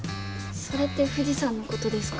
それって藤さんのことですか？